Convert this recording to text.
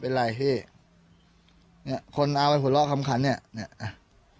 เป็นไรพี่เนี้ยคนเอาไปหัวเราะคำขันเนี้ยเนี้ยอ่ะ